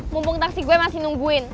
mumpung taksi gue masih nungguin